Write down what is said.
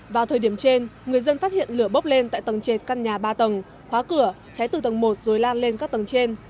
vào thời điểm trên người dân phát hiện lửa bốc lên tại tầng trệt căn nhà ba tầng khóa cửa cháy từ tầng một rồi lan lên các tầng trên